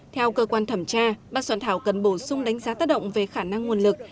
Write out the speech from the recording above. theo cơ quan thẩm tra ban soạn thảo cần bổ sung đánh giá tác động về khả năng nguồn lực